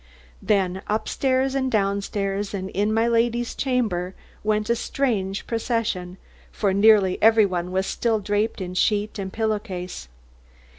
Then up stairs, and down stairs, and in my lady's chamber, went a strange procession, for nearly every one was still draped in sheet and pillow case.